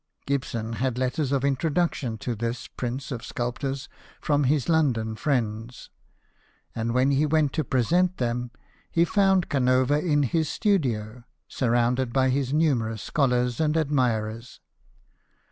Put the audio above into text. Gibson had letters of introduction to this prince of sculptors from his London friends ; and when he went to present them, he found Canova in his studio, surrounded by his numerous scholars and admirers.